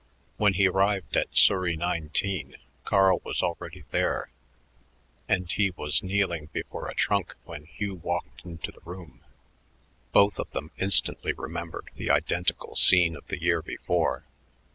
When he arrived at Surrey 19 Carl was already there and he was kneeling before a trunk when Hugh walked into the room. Both of them instantly remembered the identical scene of the year before.